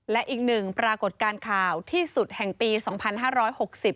และอีกหนึ่งปรากฏการณ์ข่าวที่สุดแห่งปีสองพันห้าร้อยหกสิบ